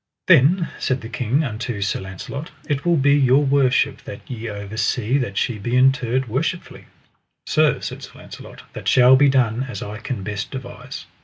Then said the king unto Sir Launcelot: It will be your worship that ye oversee that she be interred worshipfully. Sir, said Sir Launcelot, that shall be done as I can best devise.